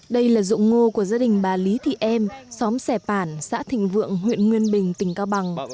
đây là dụng ngô của gia đình bà lý thị em xóm xẻ bản xã thịnh vượng huyện nguyên bình tỉnh cao bằng